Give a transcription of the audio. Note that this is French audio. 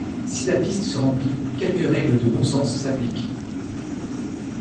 Si la piste se remplit, quelques règles de bon sens s'appliquent.